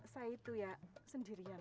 saya itu ya sendirian